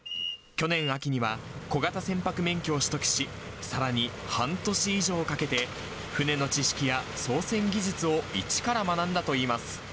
去年秋には、小型船舶免許を取得し、さらに半年以上かけて、船の知識や操船技術を一から学んだといいます。